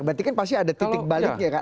berarti kan pasti ada titik baliknya kan